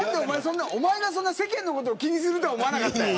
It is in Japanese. おまえがそんな世間のことを気にするとは思わなかったよ。